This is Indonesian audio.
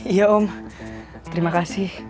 iya om terima kasih